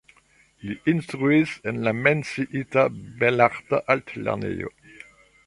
Li instruis en la menciita Belarta Altlernejo.